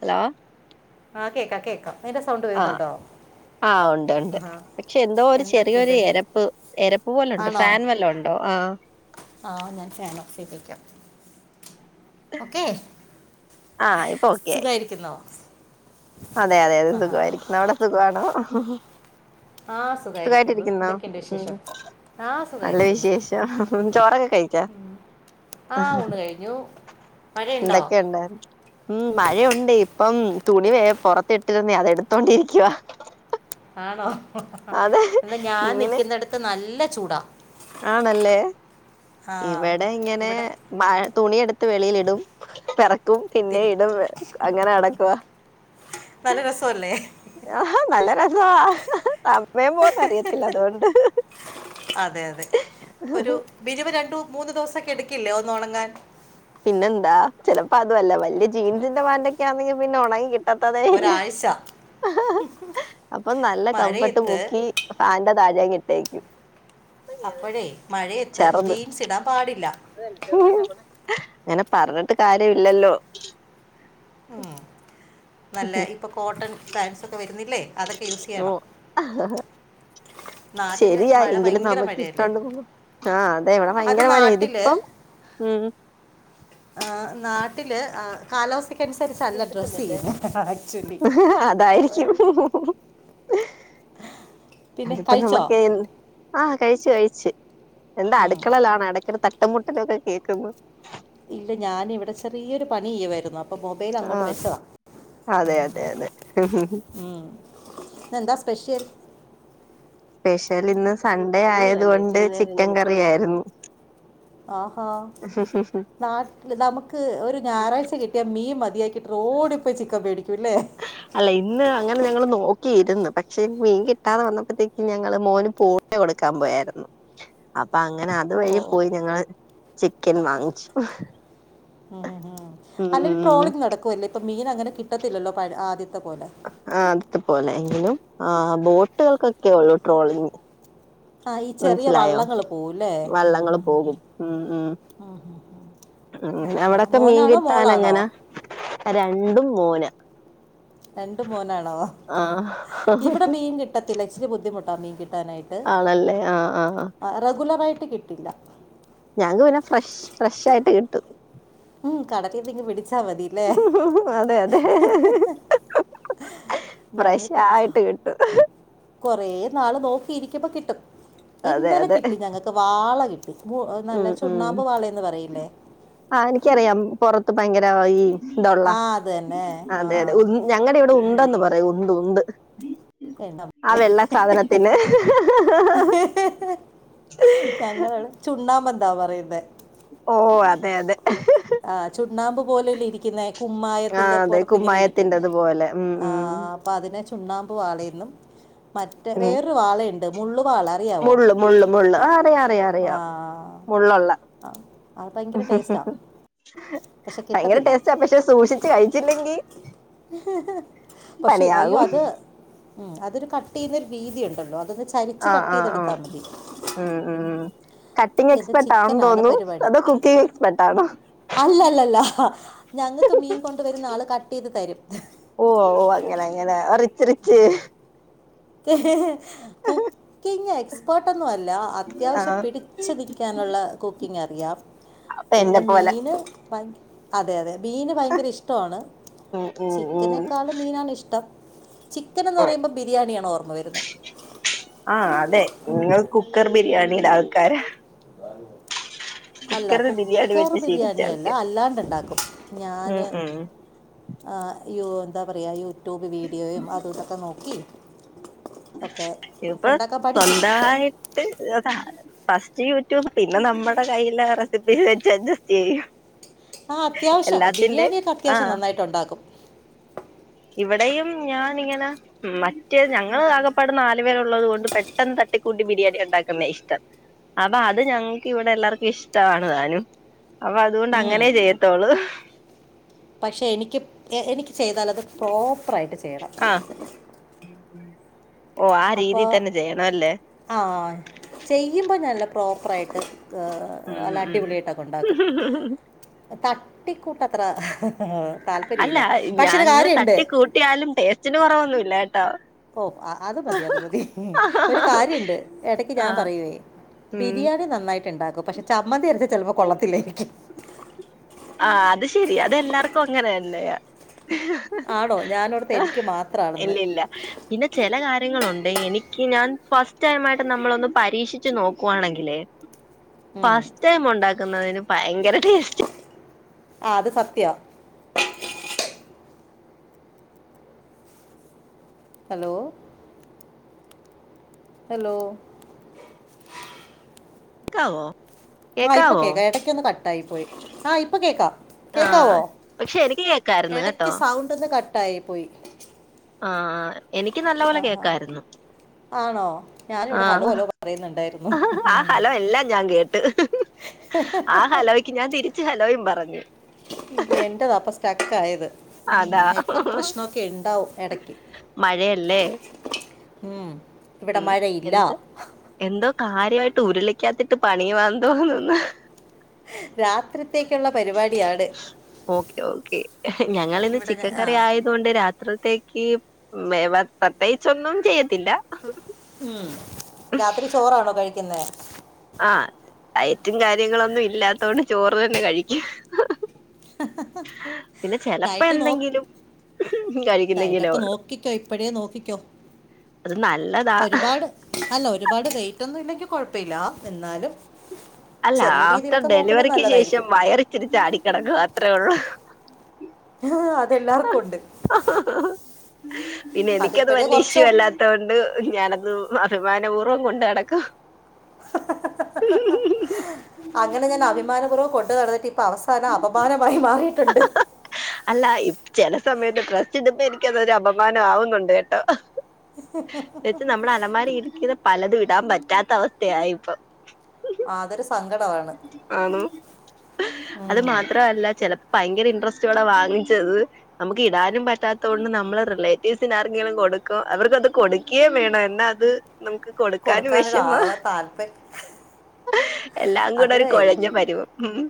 Hello ആഹ് കേക്കാം കേക്കാം ആഹ് വരുന്നുണ്ടോ ആഹ് ഉണ്ട് ഉണ്ട് ആഹാ പക്ഷെ എന്തോ ഒരു ചെറിയൊരു എന്തൊക്കെയുണ്ട് എരപ്പ് എരപ്പ് പോലെ ഉണ്ട് ഫാൻ വല്ലാം ഉണ്ടോ ആഹ് ആഹ് ഞാൻ ഫാൻ ഓഫ് ചെയ്തേക്കാം ഓക്കെ ആഹ് ഇപ്പൊ ഓക്കെ ആയി സുഖായിരിക്കുന്നോ അതെ അതെ അതെ സുഖയിരിക്കുന്നു അവിടെ സുഖവാണോ ആഹ് സു സുഖായിട്ടിരിക്കുന്നോ ഉം ആ നല്ല സുഖമായിരിക്കുന്നു വിശേഷം ചോറൊക്കെ കഴിച്ചോ? ആ ഊണ് കഴിഞ്ഞു മഴയുണ്ടോ എന്തൊക്കെയുണ്ട് ഉം മഴയുണ്ട് ഇപ്പം തുണി വേ പുറത്തിട്ടിരുന്നേ അതെടുത്തോണ്ടിരിക്കുവ ആണോ എന്നാ ഞാൻ ഇങ്ങനെ നിക്കുന്നെടത്ത് നല്ല ചൂടാ ആണല്ലേ ആ ഇവിടെ ഇങ്ങനെ ഇവിടെ മഴ തുണിയെടുത്ത് വെളിയിലിടും പെറ ക്കും പിന്നെ തിരി ഇടും അങ്ങനെ നടക്കുവാ നല്ല രസമല്ലേ ആഹ് നല്ല രസവാ സമയം പോവുന്ന അറിയത്തില്ല അതുകൊണ്ട് അതെ അതെ ഒരു മിനിമം രണ്ടു മൂന്ന് ദിവസൊക്കെ എടുക്കില്ലേ ഒന്ന് ഉണങ്ങാൻ പിന്നെ എന്താ ചിലപ്പോ അതു അല്ല വലിയ ജീൻസിന്റെ പാന്റൊക്കെ ആണെങ്കിൽ പിന്നെ ഉണങ്ങി കിട്ട് ട്ടത്തതേ ഇല്ല ഒരാഴ്ച അപ്പൊ നല്ല കംഫർട്ട് മഴയത്ത് മുക്കി ഫാന്റെ താഴേ അങ്ങ് ഇട്ടേക്കും അപ്പഴേ മഴയത്ത് ചെറുത് ജീൻസ് ഇടാൻ പാടില്ല അങ്ങനെ പറഞ്ഞിട്ട് കാര്യവില്ലല്ലോ ഉം നല്ല ഇപ്പോ കോട്ടൺ പാൻറ്സൊക്കെ വരുന്നില്ലേ അതൊക്കെ യൂസ് ഓ ചെയ്യണം നാട്ടിൽ ശരിയാ മഴ എങ്കിലും ഭയങ്കര മഴയല്ലേ നമുക്കിട്ടൊണ്ട് പോവും ആഹ് അതെ ഇവിടെ അത് ഭയങ്കര മഴയാ നാട്ടിൽ ഇതിപ്പം ഉം ആഹ് നാട്ടില് കാലാവസ്ഥക്ക്‌ അനുസരിച്ചല്ല ഡ്രസ് ചെയ്യുന്നെ ആക്ച്വലി അതായിരിക്കും [unintelligible] പിന്നെ അതിപ്പ കഴിച്ചോ നമുക്ക് ആഹ് കഴിച്ചു കഴിച്ചു എന്താ ഉം. അടുക്കളെലാണോ ഇടയ്ക്ക് ഒരു തട്ടും മുട്ട് ട്ടലൊക്കെ കേക്ക്ന്നു ഇല്ല ഞാനിവിടെ ചെറിയൊരു പണി ചെയ്യുവായിരുന്നു അപ്പൊ മൊബൈൽ ആ അങ്ങോട്ട് വെച്ചതാ അതെ അതെ അതെ മ് ഇന്നെന്താ സ്പെഷ്യൽ? സ്പെഷ്യൽ ഇന്ന് സൺഡേ ആയത് കൊണ്ട് ചിക്കൻ കറിയായിരുന്നു ആഹാ നാട്ടില് നമുക്ക് ഒരു ഞായറാഴ്ച കിട്ടിയാൽ മീൻ മതിയാക്കിട്ട് ഓടിപ്പോയി ചിക്കൻ മേടിക്കും ലെ അല്ല ഇന്ന് അങ്ങനെ ഞങ്ങള് നോക്കിയിരിന്ന് പക്ഷെ മീൻ കിട്ടാതെ വന്നപ്പോത്തേക്ക്‌ ഞങ്ങള് മോന് പോ യോ കൊടുക്കാൻ പോയായിരുന്നു അപ്പൊ അങ്ങനെ ഓ ഓ അതുവഴി ഓ. പോയി ഞങ്ങള് ചിക്കൻ വാങ്ങിച്ചു മ് അല്ലെങ്കിൽ ഉം ട്രോളിങ് നടക്കുവല്ലേ ഇപ്പൊ മീൻ അങ്ങനെ കിട്ടത്തില്ലല്ലോ പ ആദ്യത്തെ പോലെ ആദ്യത്തെ പോലെ എങ്കിലും ആ ബോട്ടുകൾക്കൊക്കെ ഉള്ളു ട്രോളിംഗ്. ആ ഈ ചെറിയ വള്ളങ്ങൾ പോവുല്ലേ ഉ വള്ളങ്ങള് പോകും ഉം ഉ ഹ ഉം അവിടൊക്കെ മീൻ കിട്ടാന എങ്ങനാ രണ്ടും മോനാ രണ്ടും മോനാണോ? ഇവിടെ മീൻ കിട്ടത്തില്ല ഇച്ചിരി ബുദ്ധിമുട്ടാ മീൻ കിട്ടാനായിട്ട് ആണല്ലേ? ആഹ് ആഹ് ആഹ് ആ റെഗുലറായിട്ട് കിട്ടില്ല. ഞങ്ങക്ക് പിന്നെ ഫ്രഷ് ഫ്രഷ് ആയിട്ട് കിട്ടും. മ് കടലിന്നിങ് പിടിച്ച മതി. അല്ലേ അതെ അതെ. ഞങ്ങൾക്ക് ഫ്രഷായിട്ട് കിട്ടും. കുറേ നാള് നോക്കിയിരിക്കുമ്പോ കിട്ടും. അതെ ഇന്നലെ അതെ കിട്ടി ഞങ്ങൾക്ക് വാള കിട്ടി. നല്ല ഉം ഉം ചുണ്ണാമ്പ് വാളയെന്ന് പറയില്ലേ? ആ എനിക്കറിയാം പുറത്ത് ഭയങ്കര ഈ ഇതുള്ള ആ അത് തന്നെ ആ അതെ അതെ ഞങ്ങളുടെ ഇവിടെ ഉണ്ടന്ന് പറയും. അ ഉണ്ട് ഉണ്ട് എന്താ ആ വെള്ള സാധനത്തിന്. ആഹ് ആഹ് ഞങ്ങളിവിടെ ചുണ്ണാമ്പന്ന പറയുന്നേ. ഓ അതെ അതെ ആ ചുണ്ണാമ്പ് പോലെ അല്ലെ ഇരിക്കുന്നേ. ആ കുമ്മായത്തിന്റെ അതെ പുറത്തിങ്ങനെ ഇരിക്കുന്നു. കുമ്മായത്തിന്റത് പോലെ ഉം ആ ഉം അപ്പൊ അതിനെ ചുണ്ണാമ്പ് വാളയന്നും. മറ്റേ ഉം വേറൊരു വാളയുണ്ട് മുള്ളു വാള. അറിയാവോ മുള്ള് മുള്ള് മുള്ള് അറിയാം അറിയാം ആ അറിയാം മുള്ളുള്ള ആ അത് ഭയങ്കര ടേസ്റ്റാ. ഭയങ്കര ടേസ്റ്റാ പക്ഷെ സൂക്ഷിച്ച് കഴിച്ചില്ലെങ്കി. പക്ഷെ അയ്യോ പണിയാകും അത് അതൊരു കട്ട് ചെയ്യുന്നരു രീതി ഉണ്ടല്ലോ അത ചരിച്ച് ആ കട്ട് ആ ആ ചെയ്തെടുത്താൽ മതി. ഉം ഉ കട്ടിങ്ങ് ഇത് എക്സ്പെർട്ട് ആണെന്ന് ചിക്കനാണ് തോന്നുന്നു പരിപാടി അതോ കുക്കിംഗ് എക്സ്പെർട്ടാ ആണോ? അല്ലല്ലല്ല ഞങ്ങൾക്ക് മീൻ കൊണ്ട വരുന്ന ആള് കട്ട് ചെയ്ത് തരും ഓ ഓ അങ്ങനെ അങ്ങനെ റിച്ച് റിച് കുൂ കുക്കിങ്ങ് എക്സ്പേർട്ടൊന്നുമല്ല ആ അത്യാവശ്യം പിടിച്ചു നിൽക്കാനുള്ള കുക്കിങ് അറിയാം പിന്നെ എന്നെ പോലെ മീന് മൻ അതെ അതെ മീന് ഭയങ്കര ഇഷ്ടമാണ് ഉം ഉം ഉം ചിക്കനെക്കാളും മീനാണ് ഇഷ്ടം ചിക്കന് എന്ന് പറയുമ്പോ ബിരിയാണിയാണ് ഓർമ്മ വരുന്നെ ആഹ് അതെ നിങ്ങൾ കുക്കർ ബിരിയാണിടെ ആൾക്കാര ആ അല്ല ബിരിയാണി കുക്കർ വെച്ച് ശീലിച്ച ബിരിയാണിയല്ല ആൾക്കാര് അല്ലാണ്ട്ണ്ടാക്കും ഉം ഞാന് ഉം ആഹ് യോ എന്താ പറയ യൂട്യൂബ് വീഡിയോയും അതു തൊക്കെ നോക്കി ഒക്കെ [unintelligible] ഉണ്ടാക്കാൻ പഠിച്ചു സ്വന്തായിട്ട് [unintelligible] ഫസ്റ്റ് യൂട്യൂബ് പിന്നെ നമ്മടെ കയ്യിലെ റെസിപ്പീസ് വെച്ച് അഡ്ജസ്റ്റ് ചെയ്യും. ആഹ് അത്യാവശ്യം എല്ലാത്തിന്റെ ബിരിയാണിയൊക്കെ അത്യാവശ്യം ആഹ് നന്നായിട്ട് ഉണ്ടാക്കും ഇവിടെയും ഞാൻ ഇങ്ങനെ മറ്റേ ഞങ്ങൾ ആകപ്പാടെ നല് പേരു ള്ളത് കൊണ്ട് പെട്ടെന്ന് തട്ടിക്കൂട്ടി ബിരിയാണി ഉണ്ടാക്കുന്നേ ഇഷ്ടം അപ്പൊ അത് ഞങ്ങക്ക് ഇവിടെ എല്ലാർക്കും ഇഷ്ടമാണ് താനും, അപ്പൊ അതുകൊണ്ട് ഉം. അങ്ങനെ ചെയ്യത്തോളൂ. പക്ഷെ എനിക്ക് എനിക്ക് ചെയ്താൽ അത് പ്രോപ്പറായിട്ട് ചെയ്യണം. ഓഹ് ആ രീതിയി തന്നെ ചെയ്യണം അല്ലേ ആഹ് ചെയ്യുമ്പോ നല്ല പ്രോപ്പറായിട്ട് ഉം അല്ല ഉം അടിപൊളിയായിട്ടൊക്കെ ഉണ്ടാക്കും തട്ടിക്കൂട്ടത്ര ആഹ് താല്പര്യം ഇല്ല പക്ഷെ ഒരു കാര്യുണ്ട്. ട്ടിലാലും ടേസ്റ്റിന് കൊറവൊന്നുല്ല കെട്ടോ ഓഹ് അത് മതി അത് മതി ഒരു കാര്യംണ്ട് എടക്ക് ആ ഞാൻ പറയുവേ ഉം ബിരിയാണി നന്നായിട്ട് ഇണ്ടാക്കും പക്ഷെ ചമ്മന്തി അരച്ച ചെലപ്പൊ കൊള്ളത്തില്ലായിരിക്കും. ആഹ് അത് ശരിയ അതെല്ലാർക്കു അങ്ങനെന്നെയാ ആണോ ഞാനോടത്ത് എനിക്ക് മാത്രമാണെന്ന് ഇല്ലില്ല പിന്നെ ചെല കാര്യങ്ങളുണ്ട് എനിക്ക് ഞാൻ ഫസ്റ്റ് ടൈമായിട്ട് നമ്മളൊന്ന് പരീക്ഷിച്ച് നോക്കുവാണെങ്കില് ഉം. ഫസ്റ്റ് ടൈമുണ്ടാക്കുന്നതിന് പയങ്കര ടേസ്റ്റ ആഹ് അത് സത്യ ഹലോ ഹലോ ക്കാവോ? ആഹ് ഇപ്പ കേക്ക എടയ്ക്കൊന്ന് കട്ടായി പോയി ആഹ് ഇപ്പൊ കേക്ക. ആഹ് പക്ഷെ എനിക്ക് കേക്കാര്ന്ന് കട്ടോ പന്ന് കട്ടായി പൊയി ആഹ് ആഹ് എനിക്ക് നല്ല പോലെ ആഹാ കേക്കാര്ന്നു ആണോ... ഞാനിവിടെ ഹലോ ആഹ് ഹലോ പറയുന്നുണ്ടായിരുന്നു ആഹ് ഉം. ഹലോ എല്ലാം ഞാൻ കേ ആഹ് ഹലോയ്ക്ക് ഞാൻ തിരിച്ചും ഹലോയും പറഞ്ഞു എന്റെതാപ്പ സ്റ്റക്കായത് ഉം അതാ നെറ്റ്വർക്ക് പ്രശ്നൊക്കെണ്ടാവും എടക്ക് മഴയല്ലെ? ഉം ഇവടെ മഴയില്ല എന്തൊ കാര്യയ്ട്ട് ഉരുളിക്കകത്തിട്ട് പണിയുവാ തോന്നുന്നു. രാത് ത്രിത്തേക്കുള്ള പരുപാടിയാണ് ഓക്കെ ഓക്കെ ഞങ്ങളിന്ന് ഇവിടെ ചിക്കൻ ഞാൻ- ആ കറി ആയ തോണ്ട് രാത്രിത്തേക്ക് വേവ പ്രത്യേകിച്ചൊന്നും ചെയ്യത്തില്ല. ഉം രാത്രി ചോറാണൊ കഴിക്ക്ന്നെ ആഹ് ഡയറ്റും കാര്യങ്ങളൊന്നും ഇല്ലാത്തോണ്ട് ചോറ് തന്നെ കഴിക്കും. പിന്ന ചെലപ്പൊ ഡയറ്റ് നോ എന്തെങ്കിലും കഴിക്കുന്നെങ്കിലേ ഡയറ്റൊക്കെ ഉള്ളൂ നോക്കിക്കൊ ഇപ്പഴയേ നോക്കിക്കൊ അത് നല്ലതാ അല്ല ഒരുപാട് വൈറ്റൊന്നും ഇല്ലെങ്കി കൊഴപ്പല്ല എന്നാലും അല്ല ചെറിയ ആഫ്റ്റർ രീതിയിലൊക്കെ നോക്കുന്നത് ഡെലിവറിക്ക് ശേഷം നല്ലതായിരിക്കും വയറിച്ചിരി ചാടിക്കെടക്കുവ അത്രെ ഉള്ളു. ആഹ് അതെല്ലാർക്കുണ്ട്. പിന്നെ എനിക്കത് അതിപ്പോഴേ വല്യ ഇഷ്യു കുറച്ചോ അല്ലാ തോണ്ട് ഞാനത് അഭിമാനപൂർവ്വം കൊണ്ടടക്കും അങ്ങനെ ഞാന് അഭിമാന പൂർവ്വം കൊണ്ട് നടന്നിട്ട് ഇ പ്പ അവസാനം അപമാനമായി മാറീട്ടുണ്ട് അല്ല ഇ ചെല സമയത്ത് ഡ്രസ് ഇടുമ്പെനിക്കതൊര് അപമാന ആവുന്നുണ്ട് കെട്ടൊ ചെച്ച് നമ്മടെ അലമാരിൽ ഇപ്- ഇരിക്കുന്ന പലതും ഇടാൻ പറ്റാത്ത അവസ്ഥയായി ഇപ്പൊ? ആഹ് അതൊര് സങ്കടവാണ് ആന്നൊ അത് ഉം. മാത്ര അല്ല ചെലപ്പൊ പയങ്കര ഇൻട്രസ്റ്റോടെ വാങ്ങിച്ചത് നമക്ക് ഇടാനും പറ്റാത്തോണ്ട് നമ്മള റിലേറ്റീവ്സിന് ആർക്കേലും കൊടുക്കൊ അവർക്കത് കൊട്ക്കെ വേണം എന്നാ അത് നമുക്ക് കൊട്ക്കാനും കൊടുക്കാനൊരു വെഷമാ ആ- താല്പര്യം എല്ലാം കൂടൊര് കൊഴഞ്ഞ പരുവം ഉം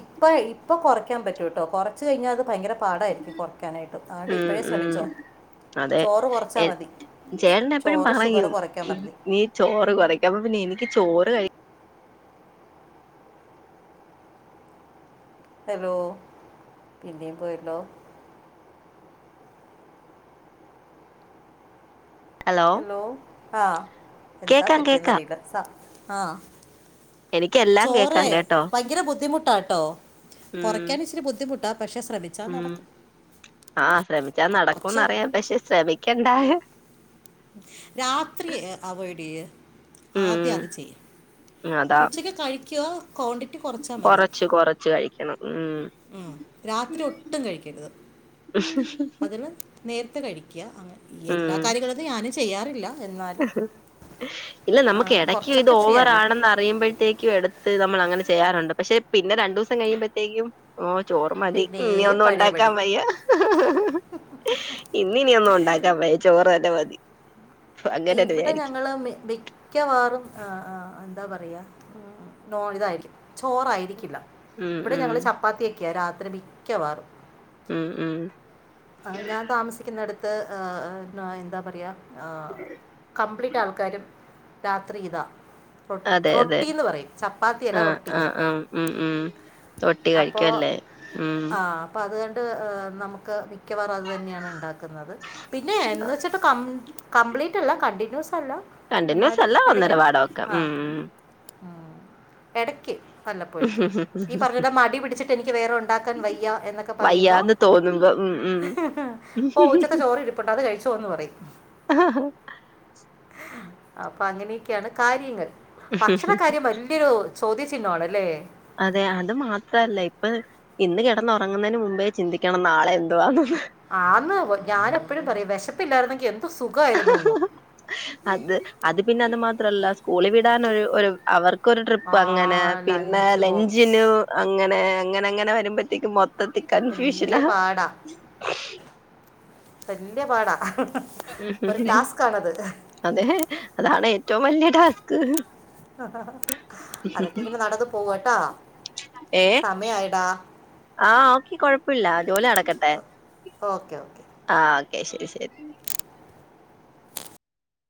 ഇപ്പ ഇപ്പൊ കൊറയ്ക്കാൻ പറ്റൂട്ടൊ കൊറ്ച്ച് കഴിഞ്ഞാ അത് ഭയങ്കര പാടായിരിക്കും കൊറയ്ക്കാനായിട്ട് ആട്ട് ഉം ഇപ്പഴേ ഉം ശ്രമിച്ചൊ അതെ ചോറ് കൊറ്ച്ചാ മതി ചേട്ടൻ എപ്പഴും ചോറ് പറയും ഷുഗറ് കൊറയ്ക്കാൻ പർഞ്ഞ് നീ ചോറ് കറിയൊക്കെ അപ്പ പിന്ന എനിക്ക് ചോറ് കഴി ഹലോ പിന്നേം പോയല്ലോ? ഹലോ ആഹ് എന്താ കേക്കാം പറ്റിയെന്ന് കേക്കാം അറിയില്ല സാ ആഹ് എനിക്കെല്ലാം ചോറ് കേക്കാം കേട്ടോ ഭയങ്കര ബുദ്ധിമുട്ടാട്ടോ? ഉം കൊറക്കൻ ഇച്ചിരി ബുദ്ധിമുട്ടാ പക്ഷെ ശ്രമി ഉം ആഹ് ശ്രമിച്ചാ നടക്കും കുറച്ചോ ന്നറിയാം പക്ഷെ ശ്രമിക്കണ്ടായോ രാത്രി അവോയ്ഡെയ്യ് ഉം ആദ്യം അത് ചെയ്യ് അതാ ഉച്ചക്ക് കഴിക്കോ ക്വാണ്ടിറ്റി കൊറച്ചാ മതി ച്ച് കഴിക്കണം ഉം ഉം രാത്രി ഒട്ടും കഴിക്കരുത് അതിന് നേര്ത്തെ കഴി ക്ക്യാ അങ്ങനെ എല്ലാ ഉം കാര്യങ്ങളൊന്നും ഞാനും ചെയ്യാറില്ല എന്നാലും ഇല്ല ആ, നമുക്ക് എടക്ക് ഇത് കുറച്ചൊക്കെ ചെയ്യാമല്ലോ ഓവറാണെന്ന് അ റിയുമ്പഴത്തേക്കും എട്ത്ത് നമ്മൾ അങ്ങനെ ചെയ്യാറുണ്ട് പക്ഷെ പിന്നെ രണ്ടൂസം കഴിയുമ്പഴത്തേക്കും ഓഹ് ചോറ് മതി പിന്നെ ഇനി ഒന്നും ഉണ്ടാക്കാൻ പഴയപടി വയ്യ ഇന്ന് ഇനി ഒന്നും ഉണ്ടാക്കാൻ വയ്യ ചോറ് തന്നെ മതി അങ്ങനെന്നെ ഇവിടെ വിചാരിക്കും ഞങ്ങള് മെ ബി മിക്കവാറും അ ആ എന്താ പറയാ ഉം [unintelligible] ഇതായിരിക്കും ചോറായിരിക്കില്ല ഉം ഇവിടെ ഉം ഞങ്ങള് ചപ്പാത്തി ഒക്കെയാ രാത്രി മിക്കവാറും ഉം ഉം ആഹ് ഞാൻ താമസിക്ക്ന്നേട്ത്ത് എന്താ പറയാ ആഹ് കംപ്ലീറ്റ് ആള്ക്കാരും രാത്രി ഇതാ റൊ അതെ അതെ റൊട്ടിന്ന് പറയും ചപ്പാത്തി അല്ല ആഹ് റൊട്ടി ആഹ് ആഹ് ഉം ഉം തൊട്ടി കഴിക്കല്ലേ ഉം പ്പ അത്കണ്ട് നമുക്ക് മിക്കവാറും അത് തന്നെയാണ് ഇണ്ടാക്കുന്നത് പിന്നെ എന്ന് വെച്ചിട്ട് കം കംപ്ലീറ്റല്ല കണ്ടിന്യൂസ് അല്ല കണ്ടിന്യൂസല്ല ഒന്നര പാടൊക്കെ ഉം ആഹ് എടക്ക് വല്ലപ്പോഴും ഒക്കെ ഈ പറഞ്ഞ ലെ മടി പിടിച്ചിട്ട് എനിക്ക് വേറെ ഉണ്ടാക്കാൻ വയ്യ എന്നൊക്കെ പറയ്മ്പോ വയ്യാന്ന് തോന്നുമ്പോ ഉം ഉം ഓഹ് ഉച്ചത്തെ ചോറ് ഇരിപ്പുട്ട് അത് കഴിച്ചോന്ന് പറയും അപ്പൊ അങ്ങനെയൊക്കെയാണ് കാര്യങ്ങൾ ഭക്ഷണ കാര്യം വല്യൊരു ചോദ്യ ചിഹ്നമാണ് ല്ലേ? അതെ അത് മാത്രല്ല ഇപ്പ ഇന്ന് കിടന്ന് ഒറങ്ങുന്നതിന് മുമ്പേ ചിന്തിക്കണം നാളെ എന്തുവാന്ന് ആന്ന് ഞാൻ എപ്പഴും പറയും വിശപ്പില്ലായിരുന്നെങ്കിൽ എന്ത് സുഖയിരുന്നൂന്ന് അത് അത് പിന്നെ അത് മാത്രല്ല സ്കൂളിൽ വിടാൻ ഒര് ഒരു അവർ ക്കൊരു ട്രിപ്പ് ആ അങ്ങനെ പിന്നെ ലഞ്ച് ബോക്സ് ലഞ്ചിന് അങ്ങനെ അങ്ങനെ അങ്ങനെ വരുമ്പോത്തേക്കും മൊത്തത്തിൽ വലിയ കൺഫ്യൂഷനാ പാടാ വല്യ പാടാ ഒരു ടാസ്ക് ആണത് അതെ അതാണ് ഏറ്റവും വല്യ ടാസ്ക് അതൊക്കെ ഇങ്ങനെ നടന്ന് പോവട്ടാ ഏഹ് സമയായടാ ആഹ് ഓക്കെ കൊഴപ്പല്ല ജോലി നടക്കട്ടെ ഓക്കെ ഓക്കെ ആഹ് ഓക്കെ ശരി ശരി